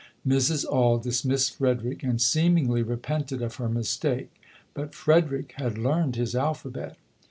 Mrs. Auld dismissed Frederick and seemingly repented of her mistake ; but Fred erick had learned his alphabet.